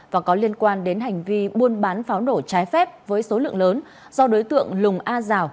và có liên quan đến hành vi buôn bán pháo nổ trái phép với số lượng lớn do đối tượng lùng a giào